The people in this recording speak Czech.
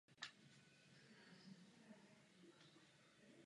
Neodmítáme návrhy Rady a Komise.